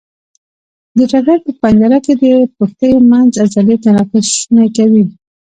د ټټر په پنجره کې د پښتیو منځ عضلې تنفس شونی کوي.